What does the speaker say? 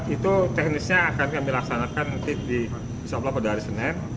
itu teknisnya akan kami laksanakan nanti di insya allah pada hari senin